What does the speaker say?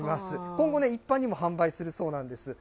今後、一般にも販売するそうなんです。